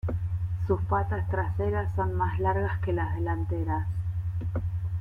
Sus patas traseras son más largas que las delanteras.